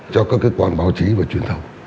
cho các cơ quan báo chí và truyền thông